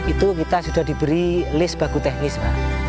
itu kita sudah diberi list baku teknis pak